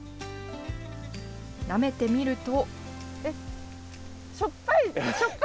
なめてみると。